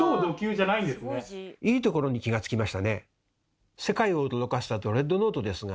いいところに気が付きましたね。